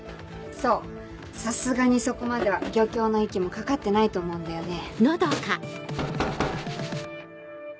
そうさすがにそこまでは漁協の息もかかってないと思うんだよね。